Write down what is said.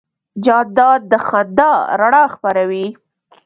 جانداد د خندا رڼا خپروي.